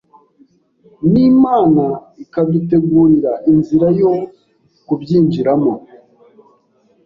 n’Imana ikadutegurira inzira yo kubyinjiramo.”